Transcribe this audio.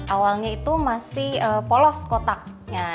awalnya itu masih polos kotaknya